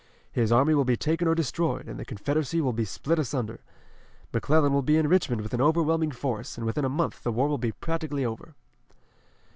His army will be taken or destroyed, and the Confederacy will be split asunder. McClellan will be in Richmond with an overwhelming force, and within a month the war will be practically over."